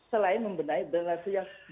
selain membenai drainase yang